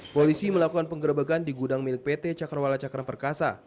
polisi melakukan penggerebekan di gudang milik pt cakrawala cakram perkasa